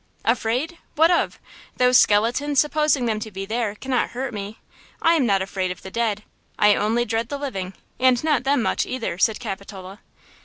"Afraid! What of? Those skeletons, supposing them to be there, cannot hurt me! I am not afraid of the dead! I only dread the living, and not them much, either!" said Capitola.